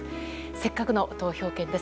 せっかくの投票権です。